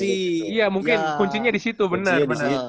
iya mungkin kuncinya disitu bener